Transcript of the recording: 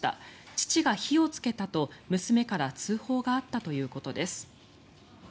父が火をつけたと、娘から通報があったということです。